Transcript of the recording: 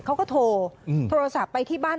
เขาก็โทรโทรศัพท์ไปที่บ้าน